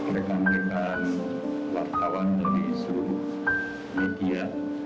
rekam rekam wartawan dari seluruh media